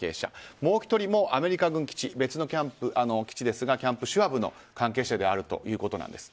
もう１人もアメリカ軍基地別の基地ですがキャンプ・シュワブの関係者であるということです。